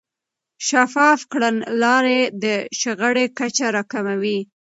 شفاف کړنلارې د شخړو کچه راکموي.